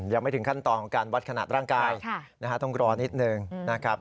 ยังไม่ถึงขั้นตอนของการวัดขนาดร่างกายต้องรอนิดนึงนะครับ